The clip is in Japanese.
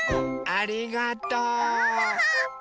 ありがとう！